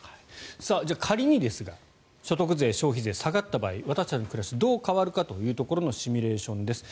仮にですが所得税、消費税下がった場合私たちの暮らしはどう変わるかというところのシミュレーションです。